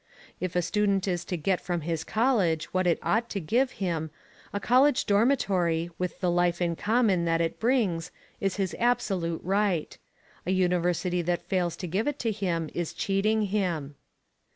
If a student is to get from his college what it ought to give him, a college dormitory, with the life in common that it brings, is his absolute right. A university that fails to give it to him is cheating him.